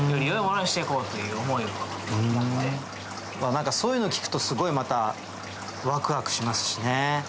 何かそういうのを聞くとすごいワクワクしますしね。